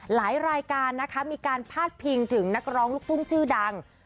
หลายรายการนะคะมีการพาดพิงถึงนักร้องลูกทุ่งชื่อดัง